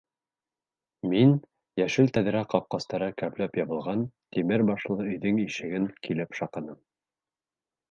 Мин йәшел тәҙрә ҡапҡастары кәпләп ябылған тимер башлы өйҙөң ишеген килеп шаҡыным.